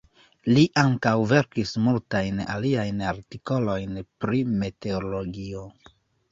Li ankaŭ verkis multajn aliajn artikolojn pri meteologio.